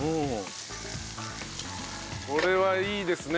これはいいですね